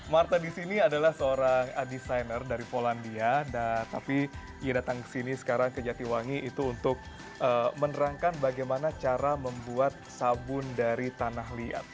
marta di sini adalah seorang desainer dari polandia tapi ia datang ke sini sekarang ke jatiwangi itu untuk menerangkan bagaimana cara membuat sabun dari tanah liat